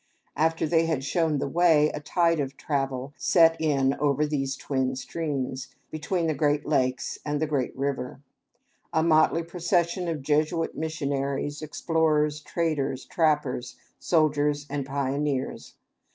After they had shown the way, a tide of travel set in over these twin streams, between the Great Lakes and the great river, a motley procession of Jesuit missionaries, explorers, traders, trappers, soldiers and pioneers.